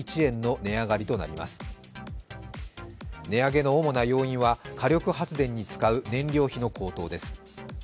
値上げの主な要因は火力発電に使う燃料費の高騰です。